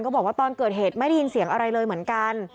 บอกว่าตอนเกิดเหตุไม่ได้ยินเสียงอะไรเลยเหมือนกัน